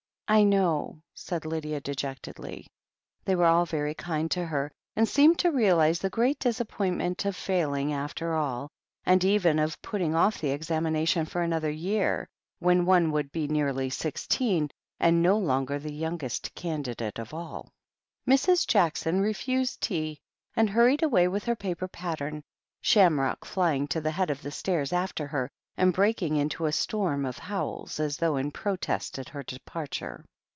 "I know," said Lydia dejectedly. They were all very kind to her, and seemed to realize the great disappointment of failing after all, or even of putting off the examination for another year, when one would be nearly sixteen, and no longer the young est candidate of all. Mrs. Jackson refused tea, and hurried away with her paper pattern. Shamrock flying, to the head of the stairs after her, and breaking into a storm of howls, as though in protest at her departure.